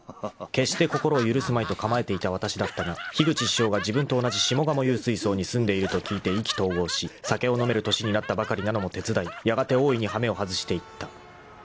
［決して心を許すまいと構えていたわたしだったが樋口師匠が自分と同じ下鴨幽水荘に住んでいると聞いて意気投合し酒を飲める年になったばかりなのも手伝いやがて大いに羽目を外していった］